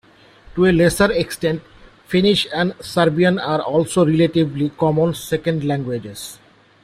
To a lesser extent, Finnish and Serbian are also relatively common second languages.